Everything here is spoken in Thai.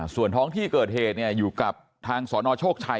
ส่วนท้องที่เกิดเหตุอยู่กับทางสนโชคชัย